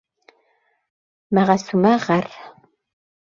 Мәғәсүмә ғәр.